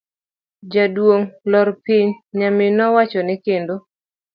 Jaduong' lor piny, nyamin nowachone kendo.